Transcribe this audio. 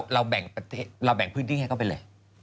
เราแบ่งพื้นที่ให้เขาไปเลย